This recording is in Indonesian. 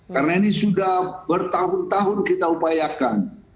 karena ini sudah bertahun tahun kita upayakan